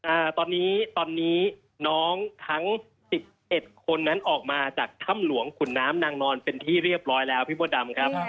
อ่าตอนนี้ตอนนี้น้องทั้งสิบเอ็ดคนนั้นออกมาจากถ้ำหลวงขุนน้ำนางนอนเป็นที่เรียบร้อยแล้วพี่มดดำครับ